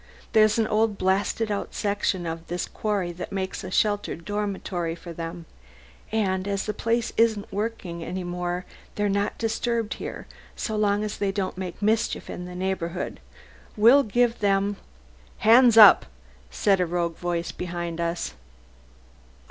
There's an old blasted out section of this quarry that makes a sheltered dormitory for them, and as the place isn't worked any more they're not disturbed here so long as they don't make mischief in the neighbourhood. We'll give them...." "Hands up!" said a rough voice behind us.